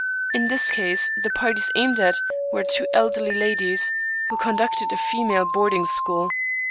In this case the parties aimed at were two elderly ladies, who conducted a iemale boarding school.